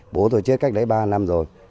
bố tôi chết cách đấy ba năm rồi